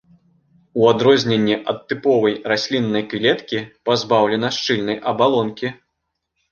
У адрозненне ад тыповай расліннай клеткі пазбаўлена шчыльнай абалонкі.